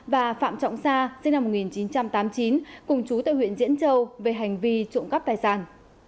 và phạm trọng sa sinh năm một nghìn chín trăm tám mươi chín cùng chú tại huyện diễn châu về hành vi trộm cắp tài sản